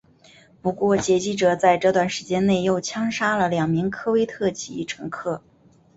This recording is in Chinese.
不过劫机者在这段时间内又枪杀了两名科威特籍乘客。